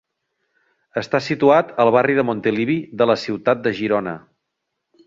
Està situat al barri de Montilivi de la ciutat de Girona.